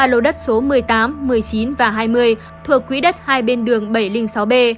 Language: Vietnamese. ba lô đất số một mươi tám một mươi chín và hai mươi thuộc quỹ đất hai bên đường bảy trăm linh sáu b